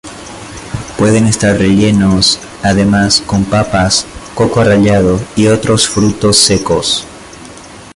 Pueden estar rellenos, además, con pasas, coco rallado, y otros frutos secos.